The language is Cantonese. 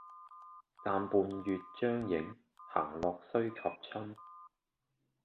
暫伴月將影，行樂須及春